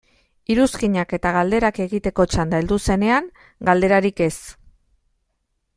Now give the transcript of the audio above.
Iruzkinak eta galderak egiteko txanda heldu zenean, galderarik ez.